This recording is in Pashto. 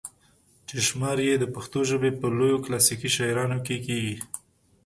چې شمار ئې د پښتو ژبې پۀ لويو کلاسيکي شاعرانو کښې کيږي